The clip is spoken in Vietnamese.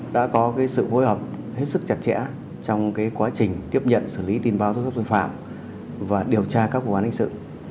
đã có sự hối hợp hết sức chặt chẽ trong quá trình tiếp nhận xử lý tin báo tốt sắc tội phạm và điều tra các vụ án hành sự